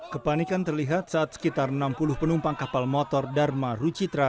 kepanikan terlihat saat sekitar enam puluh penumpang kapal motor dharma rucitra